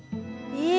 え！